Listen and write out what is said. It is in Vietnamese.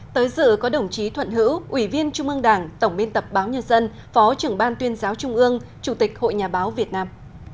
tới dự có đồng chí thuận hữu ủy viên trung ương đảng tổng biên tập báo nhân dân phó trưởng ban tuyên giáo trung ương chủ tịch hội nhà báo việt nam